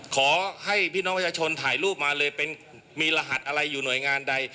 ขอให้พี่น้องประชาชนถ่ายรูปมาเลยเป็นมีรหัสอะไรอยู่หน่วยงานใด